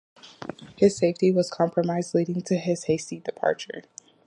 His safety was compromised, leading to his hasty departure.